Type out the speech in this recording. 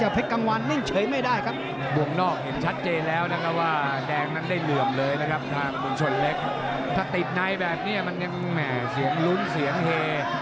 ไหนสิะลุ้นเสียงเฮ